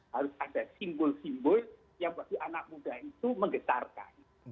harus ada simbol simbol yang berarti anak muda itu menggetarkan